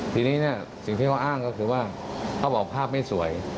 ทีนี้สิ่งที่เขาอ้างก็คือว่าเขาบอกภาพไม่สวย